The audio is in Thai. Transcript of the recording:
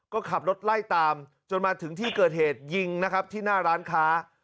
ก็ขับรถไล่ตามจนมาถึงที่เกิดเหตุยิงนะครับที่หน้าร้านค้า